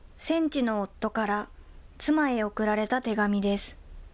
戦地の夫から妻へ送られた手紙です。